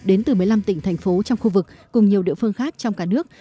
đến từ một mươi năm tỉnh thành phố trong khu vực cùng nhiều địa phương khác trong cả nước